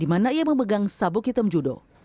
di mana ia memegang sabuk hitam judo